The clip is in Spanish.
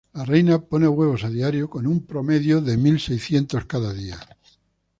La reina pone huevos a diario, en un promedio mil seiscientos cada día.